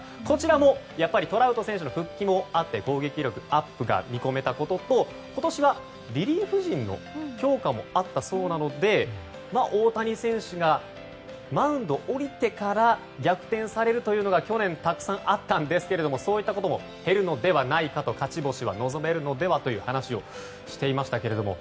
こちらもトラウト選手の復帰もあって攻撃力アップが見込めたことと今年はリリーフ陣の強化もあったそうなので大谷選手がマウンドを降りてから逆転されるというのが去年、たくさんあったんですけどそういったことも減るのではないかと勝ち星が望めるのではという話をしていました。